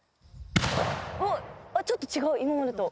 ちょっと違う今までと。